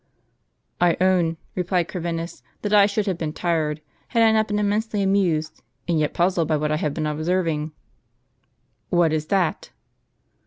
" I own," replied Corvinus, "that I should have been tired, had I not been immensely amused and yet puzzled, by what I have been observing." "What is that?"